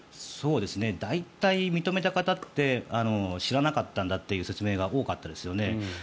大体、認めた方って知らなかったんだという説明が多かったですよね。